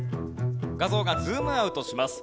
画像がズームアウトします。